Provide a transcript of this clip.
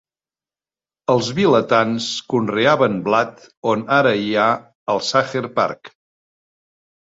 Els vilatans conreaven blat on ara hi ha el Sacher Park.